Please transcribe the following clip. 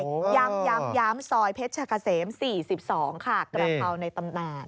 ย้ำย้ำซอยเพชรกะเสม๔๒ค่ะกะเพราในตำแหน่ง